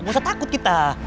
gak usah takut kita